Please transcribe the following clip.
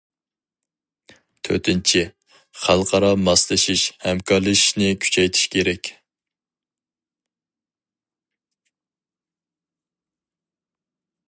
تۆتىنچى، خەلقئارا ماسلىشىش، ھەمكارلىشىشنى كۈچەيتىش كېرەك.